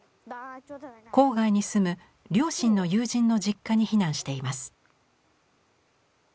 郊外に住む両親の友人の実家に避難しています。